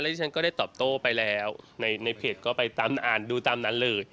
แล้วผมก็ได้ตับโต้ไปแล้วในเฟสก็ไปอ่านดูตามนั้นเลย